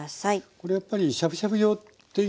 これやっぱりしゃぶしゃぶ用っていうのも。